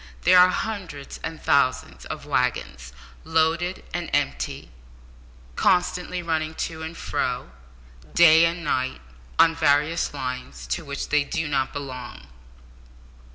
There are hundreds of thousands of waggons, loaded and empty, constantly running to and fro, day and night, on various lines, to which they do not belong.